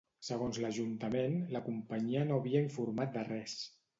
Segons l’ajuntament, la companyia no havia informat de res.